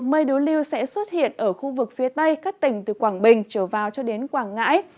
mây đối lưu sẽ xuất hiện ở khu vực phía tây các tỉnh từ quảng bình trở vào cho đến quảng ngãi